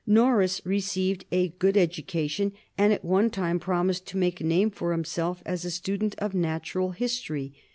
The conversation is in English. Norris received a good education, and at one time promised to make a name for himself as a student of natural history.